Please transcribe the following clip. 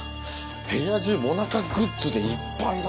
部屋中萌奈佳グッズでいっぱいだ。